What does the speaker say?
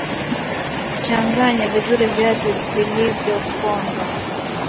Changanya vizuri viazi vilivyopondwa